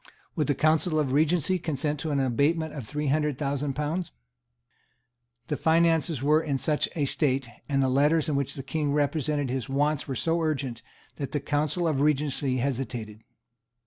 Would the Council of Regency consent to an abatement of three hundred thousand pounds? The finances were in such a state, and the letters in which the King represented his wants were so urgent, that the Council of Regency hesitated.